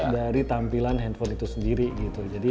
dari tampilan handphone itu sendiri gitu